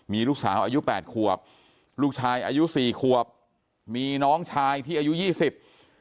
มีลูกสาวอายุแปดขวบลูกชายอายุสี่ขวบมีน้องชายที่อายุยี่สิบ